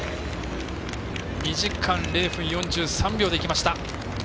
２時間０分４３秒でいきました。